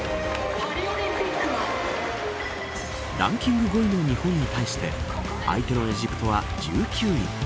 ランキング５位の日本に対して相手のエジプトは１９位。